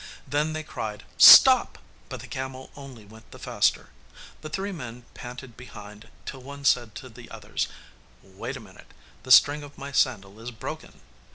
Then they cried 'Stop!' but the camel only went the faster. The three men panted behind till one said to the others, 'Wait a minute! The string of my sandal is broken!